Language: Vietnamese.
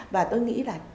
và tôi nghĩ là